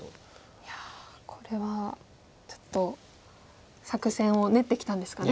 いやこれはちょっと作戦を練ってきたんですかね。